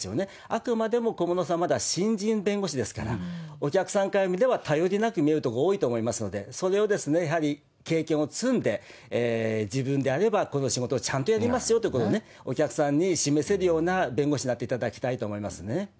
あくまでも小室さんはまだ新人弁護士ですから、お客さんから見れば頼りなく見えるところが多いと思いますので、それをやはり経験を積んで、自分であれば、この仕事をちゃんとやりますよということをね、お客さんに示せるような弁護士になっていただきたいと思いますね。